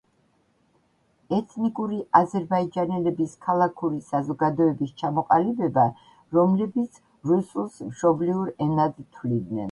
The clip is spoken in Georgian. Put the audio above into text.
ეთნიკური აზერბაიჯანელების ქალაქური საზოგადოების ჩამოყალიბება, რომლებიც რუსულს მშობლიურ ენად თვლიდნენ.